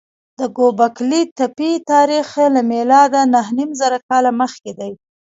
د ګوبک لي تپې تاریخ له میلاده نههنیمزره کاله مخکې دی.